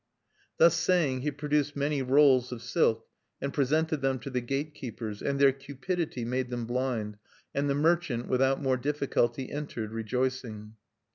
Thus saying, he produced many rolls of silk, and presented them to the gate keepers; and their cupidity made them blind; and the merchant, without more difficulty, entered, rejoicing.